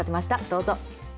どうぞ。